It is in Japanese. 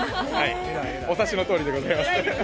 お察しのとおりでございます。